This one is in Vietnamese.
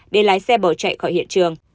để lái xe bỏ chạy khỏi hiện trường